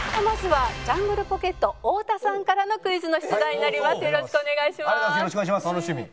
まずはジャングルポケット太田さんからのクイズの出題になります。